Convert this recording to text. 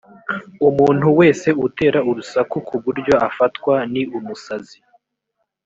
umuntu wese utera urusaku ku buryo afatwa ni umusazi